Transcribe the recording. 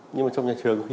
nhưng mà trong nhà trường